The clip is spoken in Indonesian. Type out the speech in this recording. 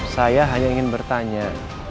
saya hanya ingin bertanya